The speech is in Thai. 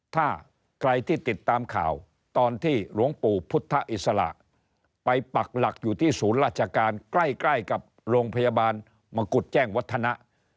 ถ้าใครที่ติดตามข่าวตอนที่หลวงปู่พุทธอิสระไปปักหลักอยู่ที่ศูนย์ราชการใกล้กับโรงพยาบาลมกุฎแจ้งวัฒนะ